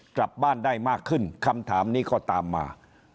กลับบ้านได้มากขึ้นคำถามนี้ก็ตามมา